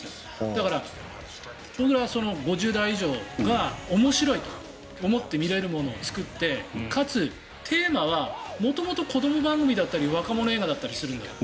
だから僕ら５０代以上が面白いと思って見られるものを作ってかつ、テーマは元々、子ども番組だったり若者映画だったりするのよ。